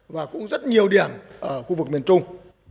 và cũng rất nhiều điểm ở khu vực miền trung